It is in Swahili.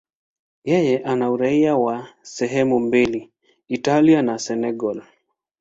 Yeye ana uraia wa sehemu mbili, Italia na Senegal.